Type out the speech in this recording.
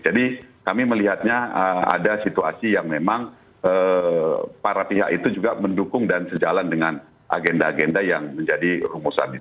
jadi kami melihatnya ada situasi yang memang para pihak itu juga mendukung dan sejalan dengan agenda agenda yang menjadi rumus abisan